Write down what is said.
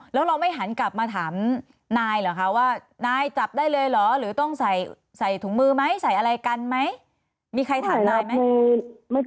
แล้วเราไม่หันกลับมาถามนายเหรอคะว่านายจับได้เลยเหรอหรือต้องใส่ถุงมือไหมใส่อะไรกันไหมมีใครถามนายไหม